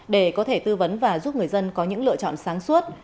để có thể tư vấn và giúp người dân có những lựa chọn sáng suốt